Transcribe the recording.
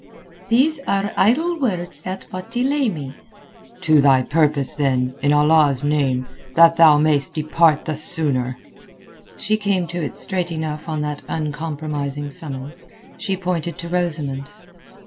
"These are idle words that but delay me." "To thy purpose then, in Allah's name, that thus thou mayest depart the sooner." She came to it straight enough on that uncompromising summons. She pointed to Rosamund.